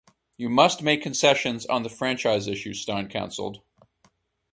"You "must" make concessions on the franchise issue", Steyn counselled.